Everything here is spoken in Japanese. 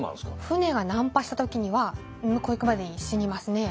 船が難破した時には向こう行くまでに死にますね。